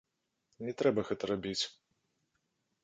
Не трэба гэта рабіць.